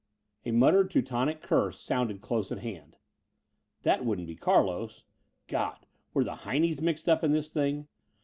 A muttered Teutonic curse sounded close at hand. That wouldn't be Carlos. God! Were the heinies mixed up in this thing?